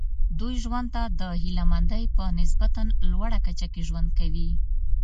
دوی ژوند ته د هیله مندۍ په نسبتا لوړه کچه کې ژوند کوي.